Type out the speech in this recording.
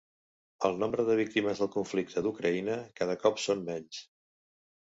El nombre de víctimes del conflicte d'Ucraïna cada cop són menys